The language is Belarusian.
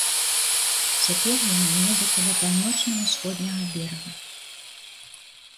Цяпер яна недзе каля паўночна-усходняга берага.